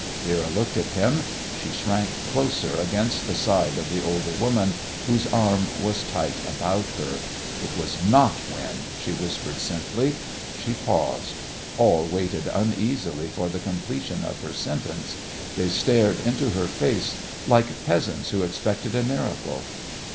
Vera looked at him. She shrank closer against the side of the older woman, whose arm was tight about her. "It was not wind," she whispered simply. She paused. All waited uneasily for the completion of her sentence. They stared into her face like peasants who expected a miracle.